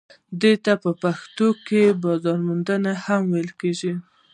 دې ته په پښتو کې بازار موندنه هم ویل کیږي.